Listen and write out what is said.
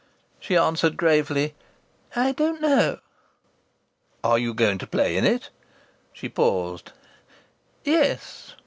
She answered gravely, "I don't know." "Are you going to play in it?" She paused.... "Yes."